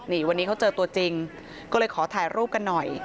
นี่วันนี้เขาเจอตัวจริงก็เลยขอถ่ายรูปกันหน่อย